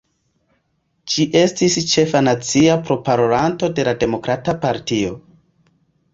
Ĝi estis ĉefa nacia proparolanto de la Demokrata Partio.